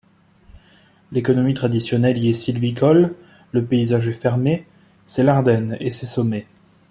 L'économie traditionnelle y est sylvicole, le paysage est fermé, c'est l'Ardenne et ses sommets.